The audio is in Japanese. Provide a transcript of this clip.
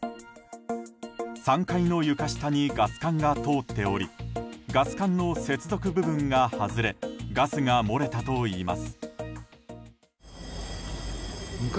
３階の床下にガス管が通っておりガス管の接続部分が外れガスが漏れたといいます。